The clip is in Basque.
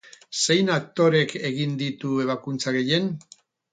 Zein aktorek egin ditu ebakuntza gehien?